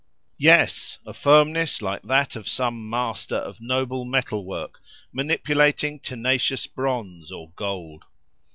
Yes! a firmness like that of some master of noble metal work, manipulating tenacious bronze or gold.